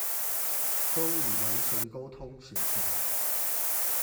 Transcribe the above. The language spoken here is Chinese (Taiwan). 都已完成溝通協調